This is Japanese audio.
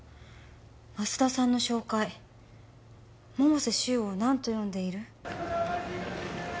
「舛田さんの紹介」「百瀬柊を何と呼んでいる？」